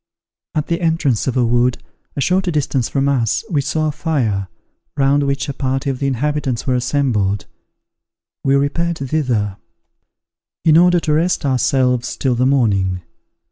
At the entrance of a wood, a short distance from us, we saw a fire, round which a party of the inhabitants were assembled. We repaired thither, in order to rest ourselves till the morning.